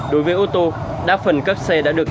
đối với ô tô đa phần các xe đã được